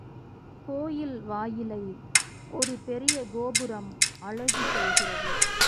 கோயில் வாயிலை ஒரு பெரிய கோபுரம் அழகு செய்கிறது.